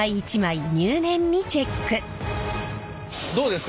どうですか？